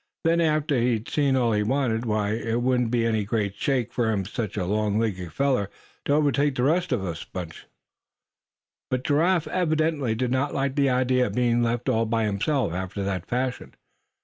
Then, after he'd seen all he wanted, why it wouldn't be any great shake for such a long legged feller to overtake the rest of the bunch." But Giraffe evidently did not like the idea of being left all by himself after that fashion.